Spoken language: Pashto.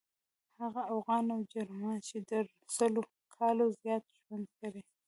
هغه اوغان او جرما چې تر سلو کالو زیات ژوند کړی.